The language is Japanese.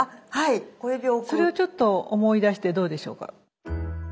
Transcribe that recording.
それをちょっと思い出してどうでしょうか？